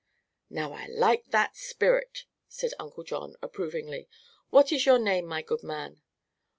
"Now, I like that spirit," said Uncle John approvingly. "What is your name, my good man?"